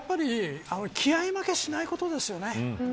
気合負けしないことですよね